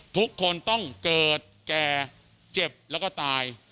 ทุกคนต้องเกิดแก่เจ็บแล้วก็ตาย